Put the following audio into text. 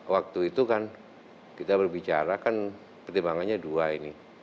waktu itu kan kita berbicara kan pertimbangannya dua ini